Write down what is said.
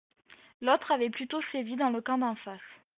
L’autre avait plutôt sévi dans le camp d’en face.